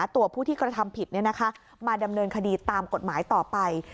ตัวผู้ที่กระทำผิดมาดำเนินคดีตามกฎหมายต่อไป